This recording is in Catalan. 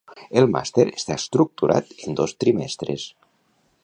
El màster està estructurat en dos trimestres.